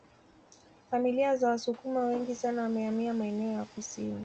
Familia za Wasukuma wengi sana wamehamia maeneo ya kusini